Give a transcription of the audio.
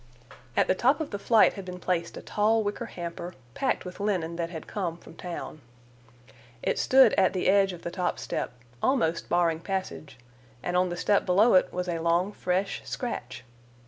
At the top of the flight had been placed a tall wicker hamper, packed, with linen that had come from town. It stood at the edge of the top step, almost barring passage, and on the step below it was a long fresh scratch.